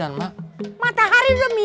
kamu mau tidur dong